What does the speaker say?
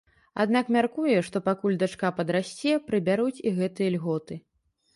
Аднак мяркуе, што пакуль дачка падрасце, прыбяруць і гэтыя льготы.